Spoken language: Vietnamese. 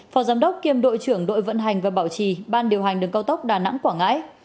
phó giám đốc kiêm đội trưởng đội vận hành và bảo trì ban điều hành đường cao tốc đà nẵng quảng ngãi